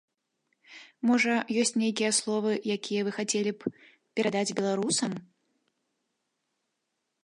Можа, ёсць нейкія словы, якія вы хацелі б перадаць беларусам?